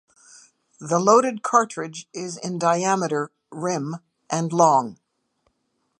The loaded cartridge is in diameter (rim) and long.